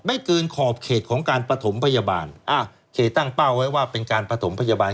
ไม่เกินขอบเขตของการปฐมพยาบาลอ่าเขตตั้งเป้าไว้ว่าเป็นการประถมพยาบาล